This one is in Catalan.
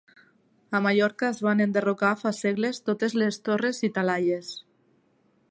A Mallorca es van enderrocar fa segles totes les torres i talaies